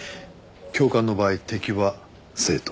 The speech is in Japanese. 教官の場合敵は生徒。